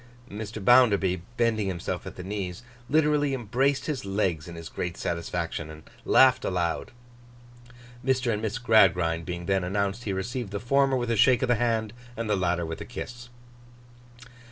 Mr. Bounderby, bending himself at the knees, literally embraced his legs in his great satisfaction and laughed aloud. Mr. and Miss Gradgrind being then announced, he received the former with a shake of the hand, and the latter with a kiss.